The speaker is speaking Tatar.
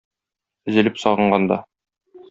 Өзелеп сагынганда.